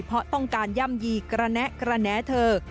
เพราะต้องการย่ำยีกระแนะกระแนะเธอ